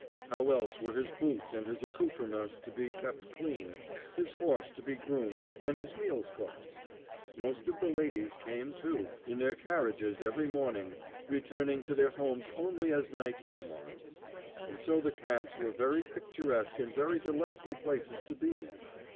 How else were his boots and his accouterments to be kept clean, his horse to be groomed, and his meals cooked? Most of the ladies came, too, in their carriages every morning, returning to their homes only as night came on; and so the camps were very picturesque and very delightful places to be in.